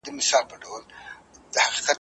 پکښي بندي یې سوې پښې او وزرونه `